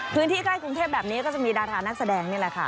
ใกล้กรุงเทพแบบนี้ก็จะมีดารานักแสดงนี่แหละค่ะ